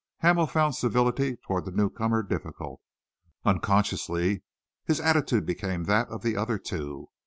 Hamel found civility towards the newcomer difficult. Unconsciously his attitude became that of the other two.